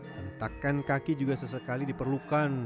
hentakan kaki juga sesekali diperlukan